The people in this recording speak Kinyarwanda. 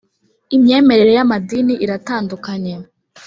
Imyemerere yamadini iratandukanye